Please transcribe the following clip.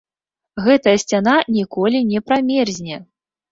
Гэтая сцяна ніколі не прамерзне!